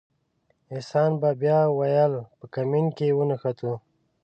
احسان به بیا ویل په کمین کې ونښتو.